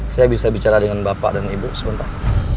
saya bisa bicara dengan bapak dan ibu sebentar